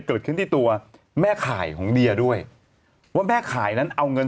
เกิดขึ้นที่ตัวแม่ข่ายของเดียด้วยว่าแม่ขายนั้นเอาเงิน